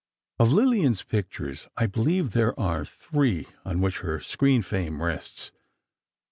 Of Lillian's pictures, I believe there are three on which her screen fame rests.